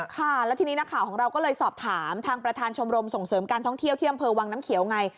ค่ะแล้วทีนี้นักข่าวของเราก็เลยสอบถามทางประธานชมรมส่งเสริมการท่องเที่ยวที่อำเภอวังน้ำเขียวไง